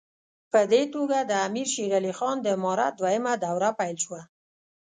په دې توګه د امیر شېر علي خان د امارت دوهمه دوره پیل شوه.